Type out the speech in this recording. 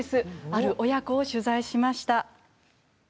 ある親子を取材しました。